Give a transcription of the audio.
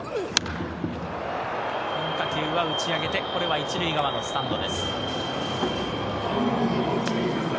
変化球は打ち上げて、これは１塁側のスタンドです。